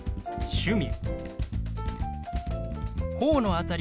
「趣味」。